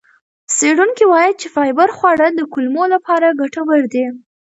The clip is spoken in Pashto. څېړونکي وایي چې فایبر خواړه د کولمو لپاره ګټور دي.